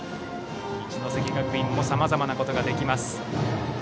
一関学院もさまざまなことができます。